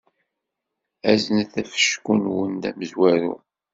Aznet afecku-nwen d amezwaru.